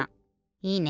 いいね。